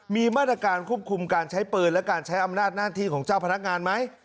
มีมาตรการควบคุมการใช้ปืนและการใช้อำนาจหน้าที่ของเจ้าพนักงานไหม